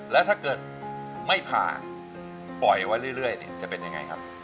แล้วถ้าเกิดไม่ผ่าปล่อยไว้เรื่อยจะเป็นยังไงครับ